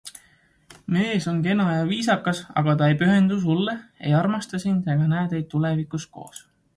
Mees on kena ja viisakas, aga ta ei pühendu sulle, ei armasta sind ega näed teid tulevikus koos.